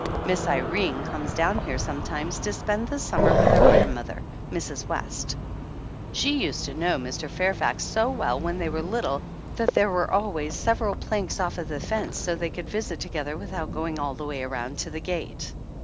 Miss Irene comes down here sometimes to spend the summer with her grandmother, Mrs. West. She 233 THE ANNALS OF ANN used to know Mr. Fairfax so well when they were little that there were always several planks off of the fence so they could visit together without going all the way around to the gate.